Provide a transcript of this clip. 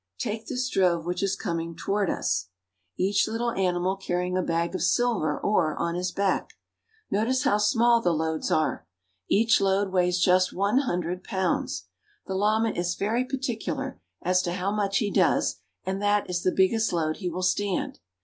Take this drove which is coming toward us, each little animal ^6 ^ PERU. • carrying a bag of silver ore on his back. Notice how small the loads are. Each load weighs just one hundred pounds. The llama is very particular as to how much he does, and that is the biggest load he will stand.